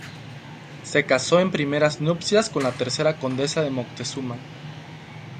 Se casó en primeras nupcias con la tercera condesa de Moctezuma.